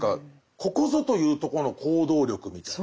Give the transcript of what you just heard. ここぞというとこの行動力みたいな。